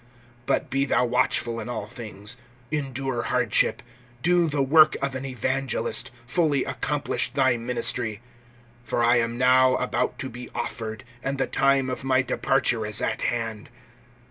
(5)But be thou watchful in all things, endure hardship, do the work of an evangelist, fully accomplish thy ministry. (6)For I am now about to be offered, and the time of my departure is at hand.